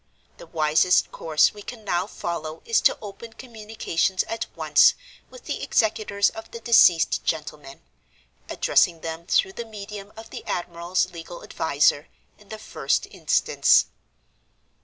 The wisest course we can now follow is to open communications at once with the executors of the deceased gentleman; addressing them through the medium of the admiral's legal adviser, in the first instance.